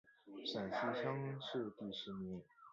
陕西乡试第十名。